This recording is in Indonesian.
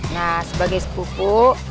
nah sebagai sepupu